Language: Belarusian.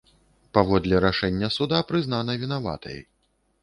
Паводле рашэння суда прызнана вінаватай.